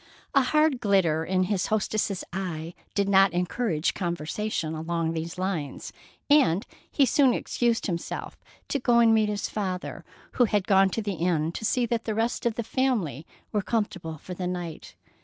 A hard glitter in his hostess's eye did not encourage conversation along these lines, and he soon excused himself to go and meet his father, who had gone to the inn to see that the rest of the family were comfortable for the night.